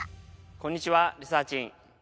こんにちはリサーちん